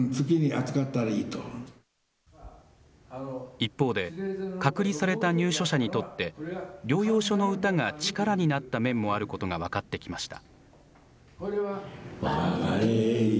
一方で、隔離された入所者にとって、療養所の歌が力になった面もあることが分かってきました。